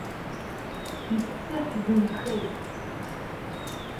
Иԥсы ҳзынхеит!